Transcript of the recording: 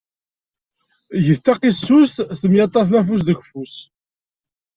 Get taqisust temyuṭṭafem afus deg ufus.